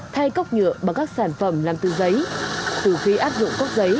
thay cốc nhựa bằng các sản phẩm làm từ giấy